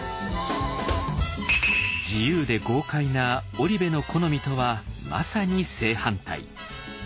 自由で豪快な織部の好みとはまさに正反対。